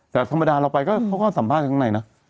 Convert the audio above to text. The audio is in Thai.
แต่ธรรมดาเราไปก็เขาก็สัมภาษณ์ข้างในนะ